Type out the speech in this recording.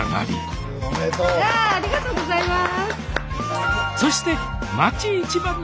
そしてありがとうございます。